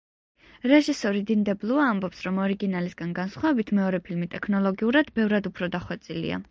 რეჟისორი დინ დებლუა ამბობს, რომ ორიგინალისგან განსხვავებით, მეორე ფილმი ტექნოლოგიურად ბევრად უფრო დახვეწილია.